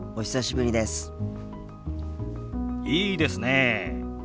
いいですねえ。